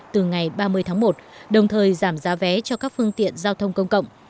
từ ngày ba mươi tháng một đồng thời giảm giá vé cho các phương tiện giao thông công cộng